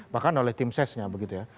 bahkan oleh tim sesnya begitu ya